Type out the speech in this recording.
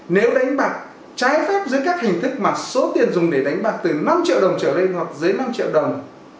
nếu đánh bạc trái phép dưới các hình thức mà số tiền dùng để đánh bạc từ năm triệu đồng trở lên hoặc dưới năm triệu đồng